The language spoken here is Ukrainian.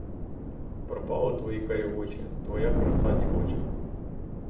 Пропали твої карі очі, твоя краса дівоча.